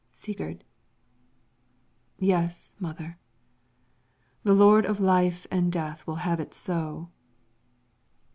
Sigurd Yes, mother. The Lord of life and death will have it so.